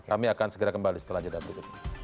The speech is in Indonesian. kami akan segera kembali setelah jadwal